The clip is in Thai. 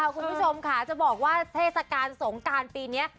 คุณผู้ชมค่ะจะบอกว่าเทศกาลสงการปีนี้